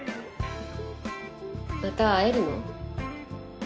また会えるの？